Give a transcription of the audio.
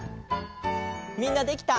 みんなできた？